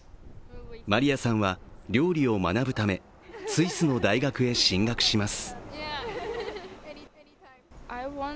マリアさんは料理を学ぶためスイスの大学へ進学します。